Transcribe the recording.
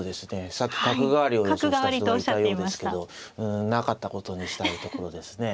さっき角換わりを予想した人がいたようですけどうんなかったことにしたいところですね。